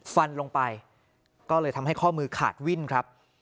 ฟันลงไปก็เลยทำให้ข้อมือขาดวิ่นครับ